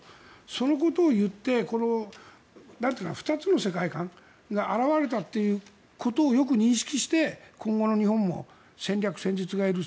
そのことを言って２つの世界観が現れたということをよく認識して今後の日本も戦略、戦術がいる。